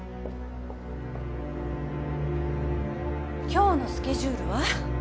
今日のスケジュールは？